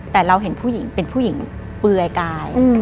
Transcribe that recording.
แต่เราเห็นผู้หญิงเป็นผู้หญิงเปลือยกาย